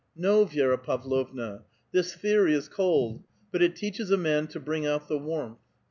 ^•No, Vi^ra Pavlovna; this theory is cold, but it teaches a man to bring out the warmth.